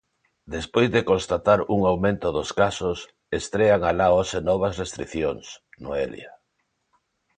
Despois de constatar un aumento dos casos, estrean alá hoxe novas restricións, Noelia.